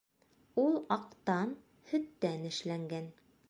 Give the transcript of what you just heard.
Ул аҡтан, һөттән эшләнгән.